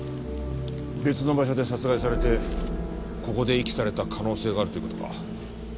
別の場所で殺害されてここで遺棄された可能性があるという事か。